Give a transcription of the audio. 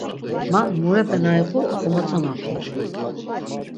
Man murepe na iqu oxomotzonapi.